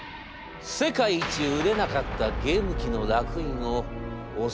世界一売れなかったゲーム機のらく印を押されることとなります。